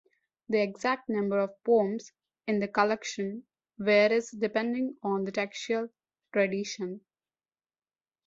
The exact number of poems in the collection varies depending on the textual tradition.